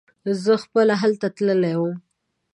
زه خپله هلته تللی وم.